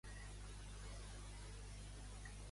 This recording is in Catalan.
Qui era el director d'Idensitat?